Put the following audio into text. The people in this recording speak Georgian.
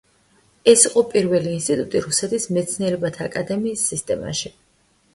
ეს იყო პირველი ინსტიტუტი რუსეთის მეცნიერებათა აკადემიის სისტემაში.